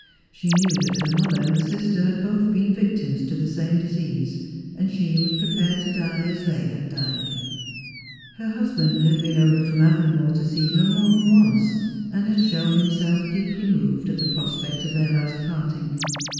She knew that her mother and sister had both been victims to the same disease, and she was prepared to die as they had died. Her husband had been over from Avonmore to see her more than once, and had shown himself deeply moved at the prospect of their last parting.